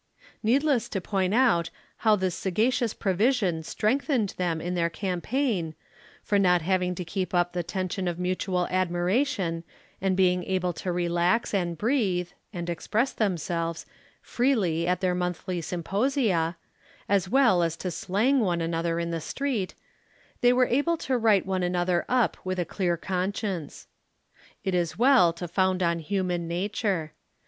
Needless to point out how this sagacious provision strengthened them in their campaign, for not having to keep up the tension of mutual admiration, and being able to relax and breathe (and express themselves) freely at their monthly symposia, as well as to slang one another in the street, they were able to write one another up with a clear conscience. It is well to found on human nature.